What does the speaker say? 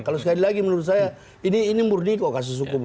kalau sekali lagi menurut saya ini murni kok kasus hukum